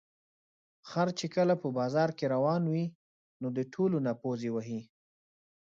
خر چې کله په بازار کې روان وي، نو د ټولو نه پوزې وهي.